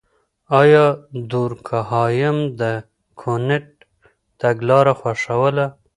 آيا دورکهايم د کُنت تګلاره خوښوله؟